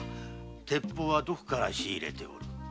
鉄砲はどこから仕入れておる？